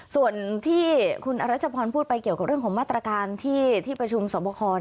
ส่วนที่คุณอรัชพรพูดไปเกี่ยวกับเรื่องของมาตรการที่ประชุมสอบคอ